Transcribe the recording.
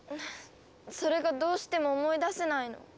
それがどうしても思い出せないの。